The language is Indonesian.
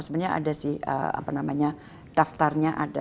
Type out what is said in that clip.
sebenarnya ada sih apa namanya daftarnya ada